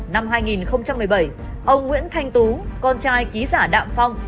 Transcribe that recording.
năm hai nghìn một mươi bảy ông nguyễn thanh tú con trai ký giả đạm phong